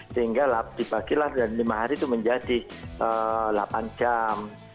sehingga dibagilah dan lima hari itu menjadi delapan jam